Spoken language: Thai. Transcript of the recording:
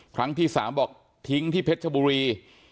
ครั้งที่๓บอกทิ้งที่เพชรชบุรี